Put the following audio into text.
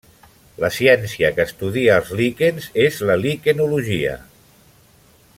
La ciència que estudia els líquens és la liquenologia.